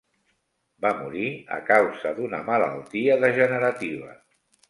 Va morir a causa d'una malaltia degenerativa.